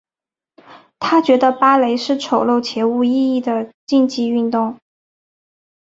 她觉得芭蕾是丑陋且无意义的竞技运动。